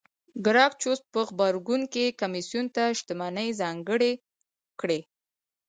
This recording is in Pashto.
ګراکچوس په غبرګون کې کمېسیون ته شتمنۍ ځانګړې کړې